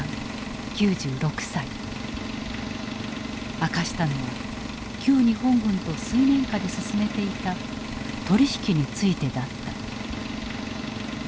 明かしたのは旧日本軍と水面下で進めていた取り引きについてだった。